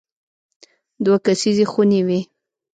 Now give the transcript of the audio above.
دوه کسیزې خونې وې.